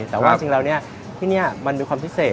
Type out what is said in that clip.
แต่ว่าจริงแล้วที่นี่มันมีความพิเศษ